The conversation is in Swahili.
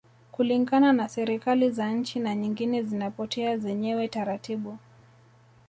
Kulingana na serikali za nchi na nyingine zinapotea zenyewe taratibu